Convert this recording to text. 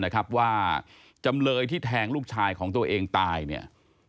แข็งลูกชายของตัวเองตาย